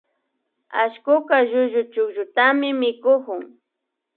Allkuka llullu chukllutami mikukun